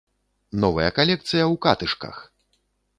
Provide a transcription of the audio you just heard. Новая калекцыя ў катышках!